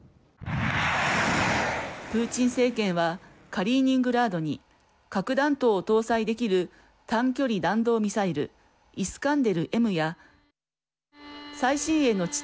プーチン政権はカリーニングラードに核弾頭を搭載できる短距離弾道ミサイルイスカンデルＭや最新鋭の地